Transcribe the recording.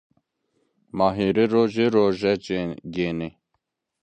Ma hirê roji roze cême.